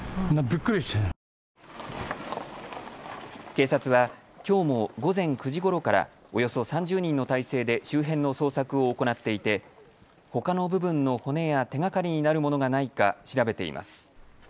警察はきょうも午前９時ごろからおよそ３０人の態勢で周辺の捜索を行っていて、ほかの部分の骨や手がかりになるものがないか調べています。